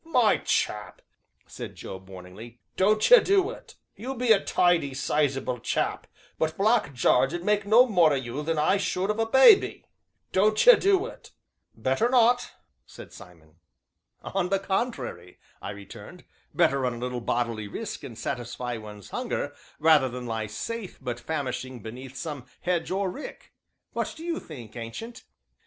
"My chap," said Job warningly, "don't ye do it. You be a tidy, sizable chap, but Black Jarge ud mak' no more o' you than I should of a babby don't ye do it." "Better not," said Simon. "On the contrary," I returned, "better run a little bodily risk and satisfy one's hunger, rather than lie safe but famishing beneath some hedge or rick what do you think, Ancient?"